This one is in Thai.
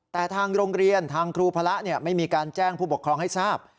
แต่ทางโรงเรียนทางครูพระไม่มีการแจ้งผู้ปกครองให้ทราบ